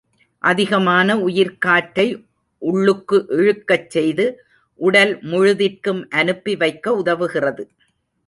அதிகமான உயிர்க்காற்றை உள்ளுக்கு இழுக்கச் செய்து, உடல் முழுதிற்கும் அனுப்பி வைக்க உதவுகிறது.